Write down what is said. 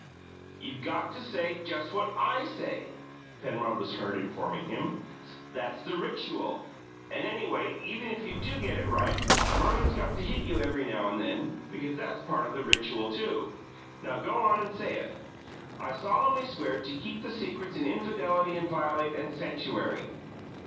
"You got to say just what I say," Penrod was heard informing him. "That's the rixual, and anyway, even if you do get it right, Verman's got to hit you every now and then, because that's part of the rixual, too. Now go on and say it. 'I solemnly swear to keep the secrets in infadelaty and violate and sanctuary."'